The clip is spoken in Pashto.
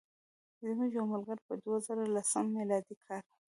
زموږ یو ملګری په دوه زره لسم میلادي کال.